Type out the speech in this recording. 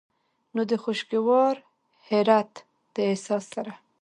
نو د خوشګوار حېرت د احساس سره